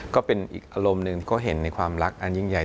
ก็เป็นอีกอารมณ์หนึ่งก็เห็นในความรักอันยิ่งใหญ่